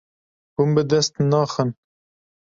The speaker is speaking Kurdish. Hûn bi dest naxin.